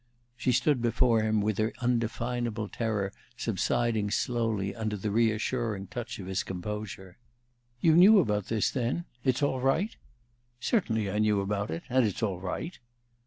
She stood before him with her undefinable terror subsiding slowly under the reassuring touch of his composure. "You knew about this, then it's all right?" "Certainly I knew about it; and it's all right."